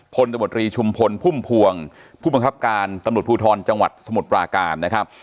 ตมตรีชุมพลพุ่มพวงผู้บังคับการตำรวจภูทรจังหวัดสมุทรปราการนะครับ